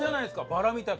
バラみたい。